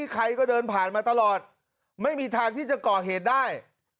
ใครก็เดินผ่านมาตลอดไม่มีทางที่จะก่อเหตุได้